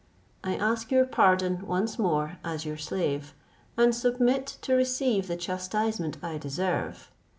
I ask your pardon once more as your slave, and submit to receive the chastisement I deserve.